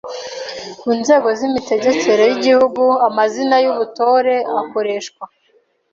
Ku nzego z’imitegekere y’Igihugu amazina y’ubutore akoreshwa